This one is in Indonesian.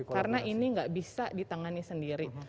karena ini gak bisa ditangani sendiri